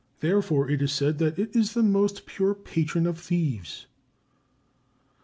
Therefore it is said that it is the most sure patron of theeves.